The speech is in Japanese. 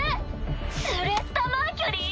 スレッタ・マーキュリー？